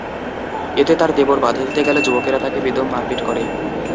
এতে তাঁর দেবর বাধা দিতে গেলে যুবকেরা তাঁকে বেদম মারপিট করে।